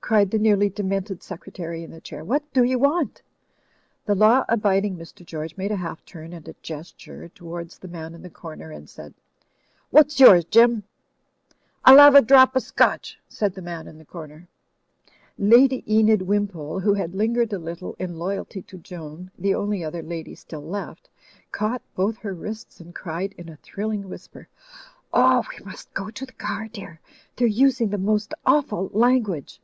cried the nearly demented secre tary in the chair. "What do you want?" The law abiding Mr. George made a half turn and a gesture towards the man in the comer and said: "What's yours, Jim?" "I'll 'ave a drop of Scotch," said the man in the comer. Lady Enid Wimpole, who had lingered a little in loyalty to Joan, the only other lady still left, caught both her wrists and cried in a thrilling whisper, "Oh, we must go to the car, dear I They're using the most awful language